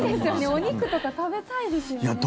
お肉とか食べたいですよね。